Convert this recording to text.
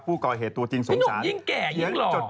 ผู้ก่อเหตุตัวจริงสงสารยิ่งแก่ยิ่งหรอ